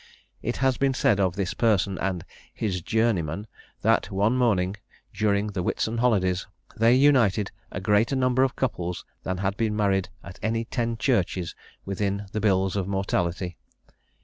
It has been said of this person and "his journeyman," that one morning, during the Whitsun holidays, they united a greater number of couples than had been married at any ten churches within the bills of mortality.